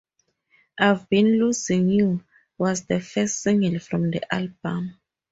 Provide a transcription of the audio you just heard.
"I've Been Losing You" was the first single from the album.